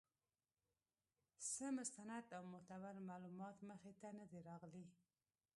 څۀ مستند او معتبر معلومات مخې ته نۀ دي راغلي